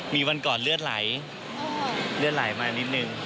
มีวันก่อนเลือดไหลเลือดไหลมานิดนึง